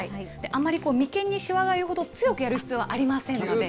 あまり眉間にしわが寄るほど強くやる必要はありませんので。